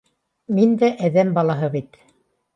Мин дә әҙәм балаһы бит